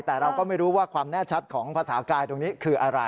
แต่เราก็ไม่รู้ว่าความแน่ชัดของภาษากายตรงนี้คืออะไร